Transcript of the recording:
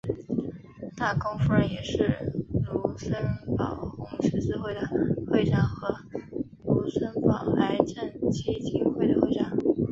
大公夫人也是卢森堡红十字会的会长和卢森堡癌症基金会的会长。